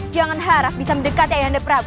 jangan harap bisa mendekati ayanda prabu